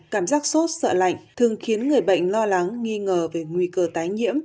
cảm giác sốt sợ lạnh thường khiến người bệnh lo lắng nghi ngờ về nguy cơ tái nhiễm